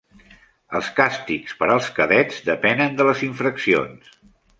Els càstigs per als cadets depenen de les infraccions.